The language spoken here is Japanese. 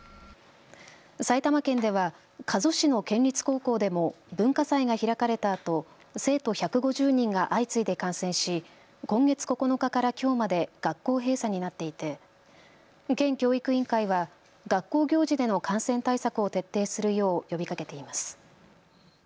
埼玉県では加須市の県立高校でも文化祭が開かれたあと生徒１５０人が相次いで感染し今月９日からきょうまで学校閉鎖になっていて県教育委員会は学校行事での感染対策を徹底するよう呼びかけています。